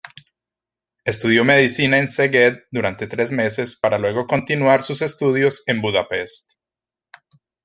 Estudió medicina en Szeged durante tres meses para luego continuar sus estudios en Budapest.